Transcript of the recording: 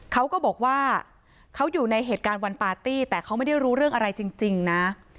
เขาก็บอกว่าเขาอยู่ในเหตุการณ์วันปาร์ตี้แต่เขาไม่ได้รู้เรื่องอะไรจริงนะ